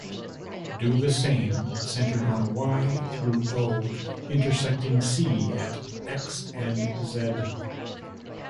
Do the same centred on Y through O, intersecting C at X and Z.